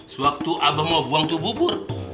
sewaktu abah mau buang tuh bubur